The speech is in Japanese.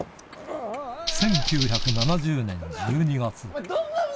１９７０年１２月。